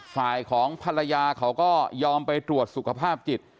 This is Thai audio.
ฝ่ายของภรรยาเขาก็ยอมไปตรวจสุขภาพจิต